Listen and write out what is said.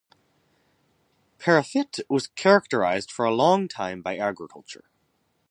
Perrefitte was characterized for a long time by agriculture.